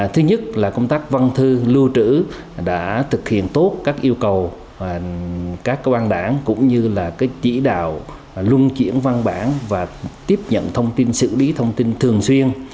thứ nhất là công tác văn thư lưu trữ đã thực hiện tốt các yêu cầu các cơ quan đảng cũng như là chỉ đạo luân chuyển văn bản và tiếp nhận thông tin xử lý thông tin thường xuyên